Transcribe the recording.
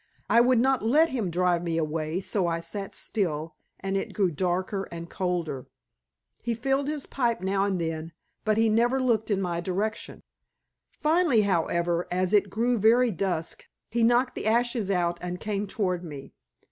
I would not let him drive me away, so I sat still, and it grew darker and colder. He filled his pipe now and then, but he never looked in my direction. Finally, however, as it grew very dusk, he knocked the ashes out and came toward me.